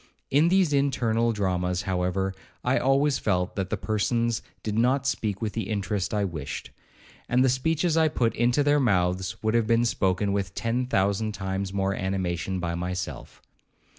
In these internal dramas, however, I always felt that the persons did not speak with the interest I wished; and the speeches I put into their mouths would have been spoken with ten thousand times more animation by myself.